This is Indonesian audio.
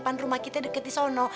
pan rumah kita deket di sono